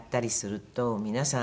皆さん